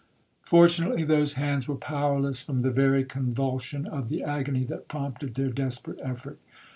'Fortunately those hands were powerless from the very convulsion of the agony that prompted their desperate effort.